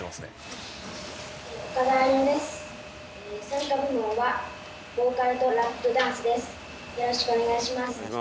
よろしくお願いします。